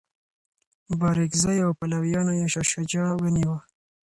بارکزیو او پلویانو یې شاه شجاع ونیوه.